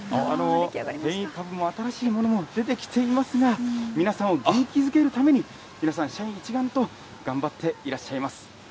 変異株も新しいものが出てきていますが、皆さんを元気づけるために、皆さん社員一丸で頑張っていらっしゃいます。